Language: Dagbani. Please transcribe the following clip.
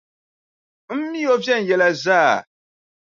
M mi o viɛnyɛla zaa.